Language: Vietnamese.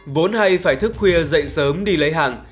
vốn hay phải thức khuya dậy sớm đi lấy hàng